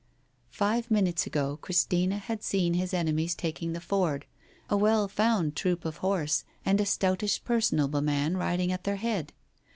Five minutes ago Christina had seen his enemies taking the ford, a well found troop of horse, and a stoutish personable man riding at their head.